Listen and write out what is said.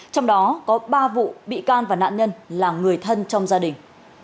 trong đó có ba vụ bị can và nạn nhân là người thân trong gia đình